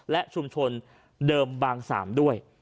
และชุมชนเดิมบางสามด้วย